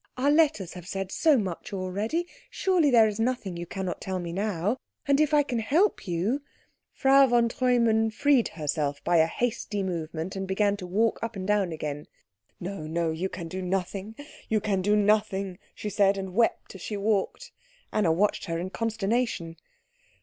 "Our letters have said so much already surely there is nothing you cannot tell me now? And if I can help you " Frau von Treumann freed herself by a hasty movement, and began to walk up and down again. "No, no, you can do nothing you can do nothing," she said, and wept as she walked. Anna watched her in consternation.